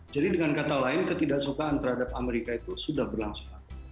jadi dengan kata lain ketidaksukaan terhadap amerika itu sudah berlangsung